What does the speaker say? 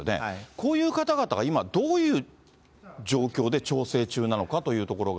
こういう方々は今、どういう状況で調整中なのかというところが。